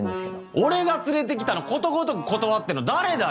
俺が連れてきたのことごとく断ってんの誰だよ？